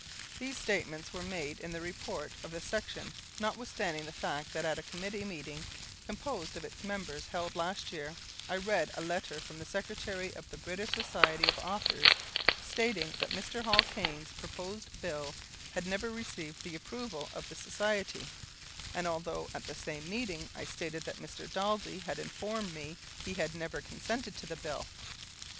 These statements were made in the Report of the Section, notwithstanding the fact that at a Committee meeting composed of its members held last year, I read a letter from the Secretary of the British Society of Authors stating that Mr. Hall Caine's proposed Bill had never received the approval of the Society; and although at the same meeting I stated that Mr. Daldy had informed me he had never consented to the Bill.